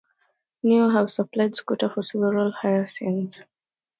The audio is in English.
Niu have supplied scooters for several hire schemes.